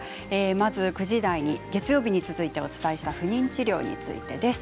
まず９時台に月曜日に続いてお伝えした不妊治療についてです。